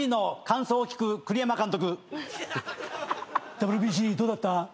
「ＷＢＣ」どうだった？